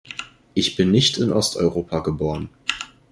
Ich bin nicht in Osteuropa geboren.